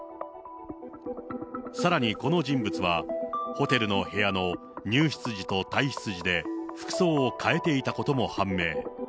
さらにこの人物は、ホテルの部屋の入室時と退室時で、服装を変えていたことも判明。